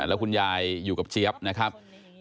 แล้วคุณยายอยู่กับเจี๊ยบนะครับ